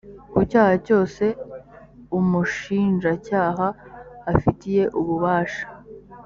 ku cyaha cyose umushinjacyaha afitiye ububasha